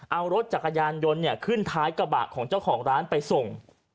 เอารถจักรยานยนต์ขึ้นท้ายกระบะของเจ้าของร้านไปส่ง